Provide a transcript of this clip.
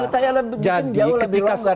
saya bikin jauh lebih longgar